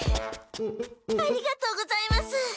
ありがとうございます。